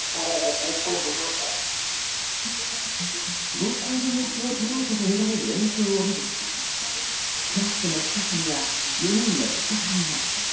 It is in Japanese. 暴行の様子をとらえたとみられる映像を見ると、トラックの近くには４人の人影が。